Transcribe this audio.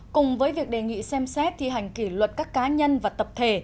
cùng với việc đề nghị xem xét thi hành kỷ luật các cá nhân và tập thể